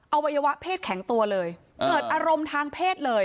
อวัยวะเพศแข็งตัวเลยเกิดอารมณ์ทางเพศเลย